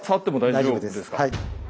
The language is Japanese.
大丈夫ですはい。